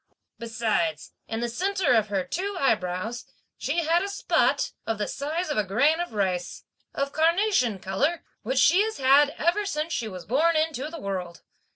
Besides, in the centre of her two eyebrows, she had a spot, of the size of a grain of rice, of carnation colour, which she has had ever since she was born into the world.